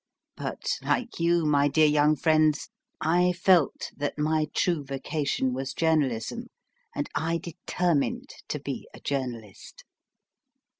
But like you, my dear young friends, I felt that my true vocation was journalism, and I determined to be a journalist.